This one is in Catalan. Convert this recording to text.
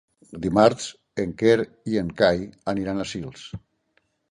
Dimarts en Quer i en Cai aniran a Sils.